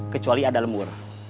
kecuali ada lembur